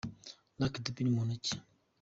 Lucky Dube ni muntu ki ?.